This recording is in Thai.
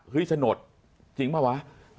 เฮ้ยสนดจริงป่ะวะ